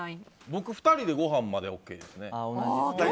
僕、２人でごはんまでＯＫです。